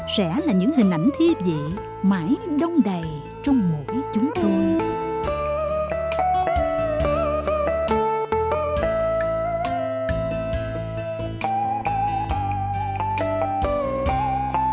sẽ là những hình ảnh thiêp dị mãi đông đầy trong mỗi chúng tôi